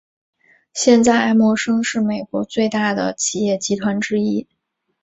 现在艾默生是美国最大的企业集团之一。